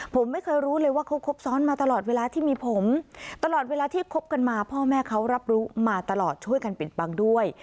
ผมไม่เคยรู้เลยว่าเขาคบซ้อนมาตลอดเวลาที่มีผมตลอดเวลาที่คบกันมาพ่อแม่เขารับรู้มาตลอดช่วยกันปิดบังด้วย